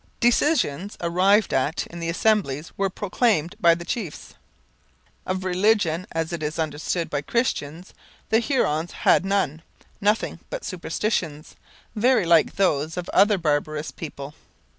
Decisions arrived at in the assemblies were proclaimed by the chiefs. Of religion as it is understood by Christians the Hurons had none, nothing but superstitions, very like those of other barbarous peoples.